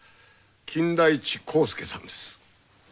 金田一耕助さんです。